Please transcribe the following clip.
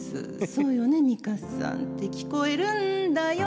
「そうよね美香さん」「って聞こえるんだよ」